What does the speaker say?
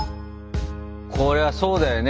これはそうだよね